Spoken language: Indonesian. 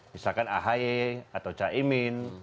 misalkan ahy atau caimin